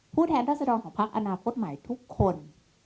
แทนรัศดรของพักอนาคตใหม่ทุกคน